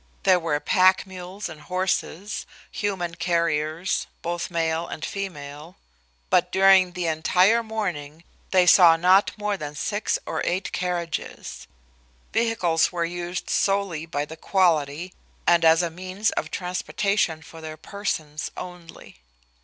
There were pack mules and horses, human carriers both male and female but during the entire morning they saw not more than six or eight carriages. Vehicles were used solely by the quality and as a means of transportation for their persons only.